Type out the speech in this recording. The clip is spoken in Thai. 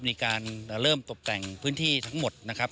มีการเริ่มตกแต่งพื้นที่ทั้งหมดนะครับ